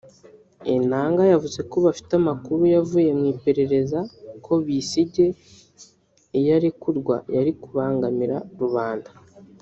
Enanga yavuze ko bafite amakuru yavuye mu ipererza ko Besigye iyo arekurwa yari kubangamira rubanda